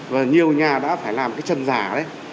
và nhiều nhà đã phải làm cái trần giả đấy